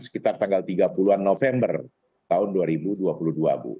sekitar tanggal tiga puluh an november tahun dua ribu dua puluh dua bu